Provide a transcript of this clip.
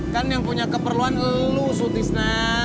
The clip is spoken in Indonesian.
kan yang punya keperluan lu sutisna